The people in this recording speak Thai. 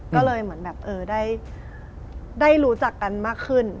ก็เลยเหมือนแบบได้รู้จักกันมากขึ้น